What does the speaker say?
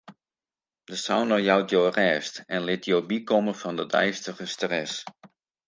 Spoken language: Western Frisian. De sauna jout jo rêst en lit jo bykomme fan de deistige stress.